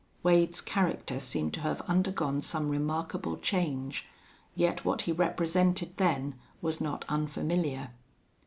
Wade's character seemed to have undergone some remarkable change, yet what he represented then was not unfamiliar.